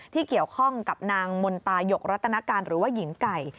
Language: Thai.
ที่เกี่ยวข้องกับนางมนตายกรัตนการหรือว่าหญิงไก่